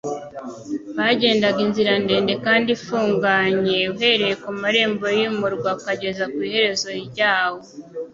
bagendaga inzira ndende kandi ifunganye uhereye mu marembo y'umurwa ukageza ku iherezo ryawo